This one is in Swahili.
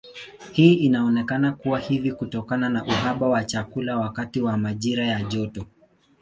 Hii inaonekana kuwa hivi kutokana na uhaba wa chakula wakati wa majira ya joto.